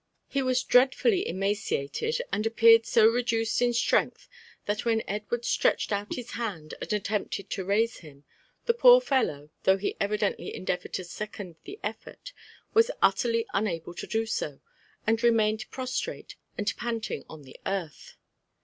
101 He was dreadfully emaciated, and appeared so reduced in strength, that when Edward stretched out his hand and attempted to raise him, the poor fellow, though he evidently endeavoured to second the effort, was utterly unable to do so, and remained prostrate and panting on the earth.